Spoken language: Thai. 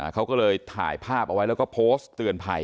เขาก็เลยถ่ายภาพเอาไว้แล้วก็โพสต์เตือนภัย